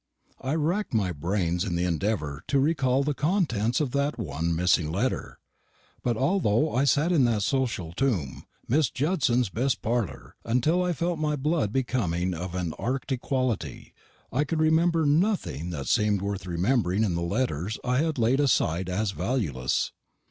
I racked my brains in the endeavour to recall the contents of that one missing letter; but although I sat in that social tomb, Miss Judson's best parlour, until I felt my blood becoming of an arctic quality, I could remember nothing that seemed worth remembering in the letters I had laid aside as valueless.